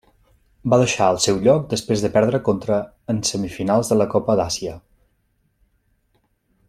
Va deixar el seu lloc després de perdre contra en semifinals de la Copa d'Àsia.